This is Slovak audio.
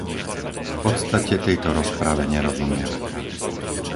V podstate tejto rozprave nerozumiem.